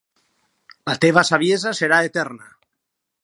La teva saviesa serà eterna.